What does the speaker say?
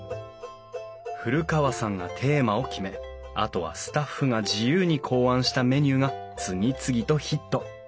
古川さんがテーマを決めあとはスタッフが自由に考案したメニューが次々とヒット。